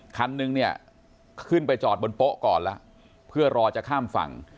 คันนึงเนี่ยขึ้นไปจอดบนโป๊ะก่อนแล้วเพื่อรอจะข้ามฝั่ง